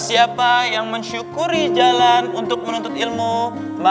sekarang cepetan ke masjid